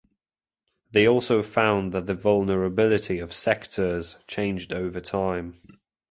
They also found that the vulnerability of sectors changed over time.